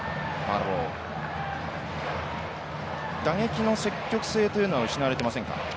打撃の積極性というのは失われてませんか？